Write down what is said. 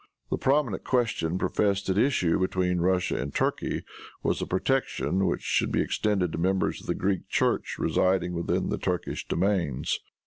The prominent question professedly at issue between Russia and Turkey was the protection which should be extended to members of the Greek church residing within the Turkish domains.